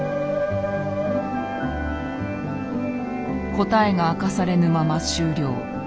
答えが明かされぬまま終了。